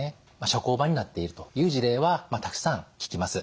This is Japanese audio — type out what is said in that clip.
社交場になっているという事例はたくさん聞きます。